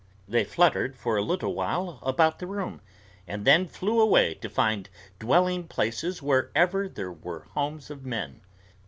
They fluttered for a little while about the room, and then flew away to find dwelling places wherever there were homes of men.